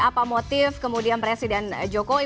apa motif kemudian presiden jokowi